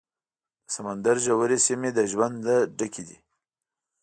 د سمندر ژورې سیمې د ژوند ډکې دي.